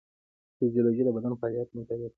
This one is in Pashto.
فیزیولوژي د بدن فعالیت مطالعه کوي